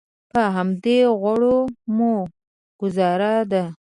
په همدې غوړو مو ګوزاره ده.